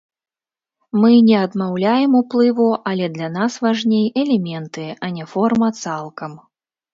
Мы не адмаўляем уплыву, але для нас важней элементы, а не форма цалкам.